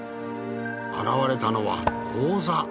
現れたのは砲座。